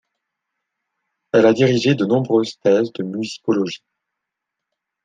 Elle a dirigé de nombreuses thèses de musicologie.